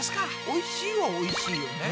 おいしいはおいしいよね。